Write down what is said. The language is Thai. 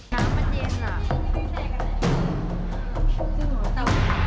น้ำมันเย็นอ่ะ